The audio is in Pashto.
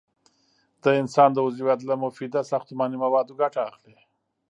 د انسان د عضویت له مفیده ساختماني موادو ګټه اخلي.